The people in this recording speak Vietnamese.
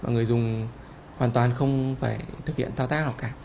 người dùng hoàn toàn không phải thực hiện thao tác nào cả